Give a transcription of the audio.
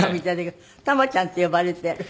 「玉ちゃん」って呼ばれてる？